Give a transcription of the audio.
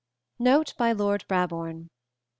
_Note by Lord Brabourne.